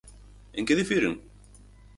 En que difiren?